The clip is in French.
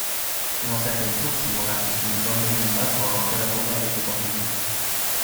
Selon certaines sources, il aurait assassiné Ganga Zumba, pour avoir collaboré avec les Portugais.